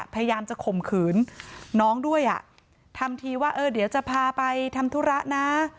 พยายามจะข่มขืนน้องด้วยอ่ะทำทีว่าเออเดี๋ยวจะพาไปทำธุระนะ